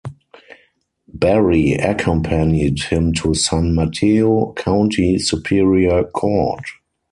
Barry accompanied him to San Mateo County Superior Court.